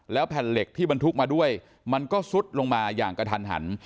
แผ่นเหล็กที่บรรทุกมาด้วยมันก็ซุดลงมาอย่างกระทันหัน